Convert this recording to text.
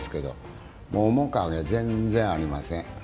もう面影全然ありません。